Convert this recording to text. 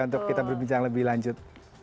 untuk kita berbincang lebih lanjut